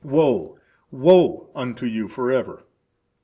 Woe, woe, unto you forever!